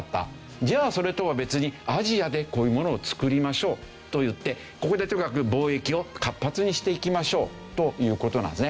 じゃあそれとは別にアジアでこういうものを作りましょうと言ってここでとにかく貿易を活発にしていきましょうという事なんですね。